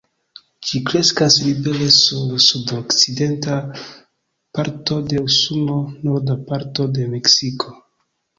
Ĝi kreskas libere sur sudokcidenta parto de Usono, norda parto de Meksiko.